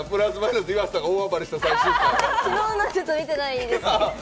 昨日の、ちょっと見てないですね。